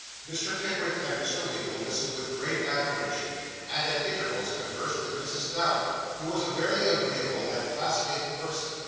Mr. Pickwick and Mr. Winkle listened with great admiration, and at intervals conversed with Mrs. Dowler, who was a very agreeable and fascinating person.